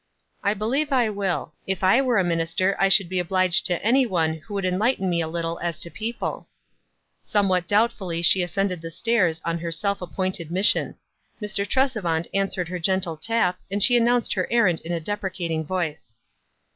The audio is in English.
"I believe I will. If I were a minister I should be obliged to any one who would en lighten me a little as to people." Somewhat doubtfully she ascended the stairs on her self appointed mission. Mr. Tresevant answered her gentle tap, and she announced her errand in a deprecating voice.